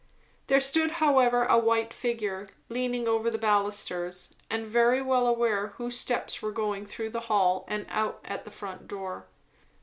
There stood however a white figure, leaning over the balusters, and very well aware whose steps were going through the hall and out at the front door.